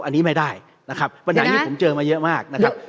อันนี้ไม่ได้นะครับปัญหานี้ผมเจอมาเยอะมากนะครับ